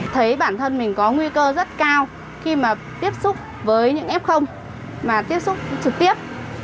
thấy bản thân mình có nguy cơ rất cao khi mà tiếp xúc với những f mà tiếp xúc trực tiếp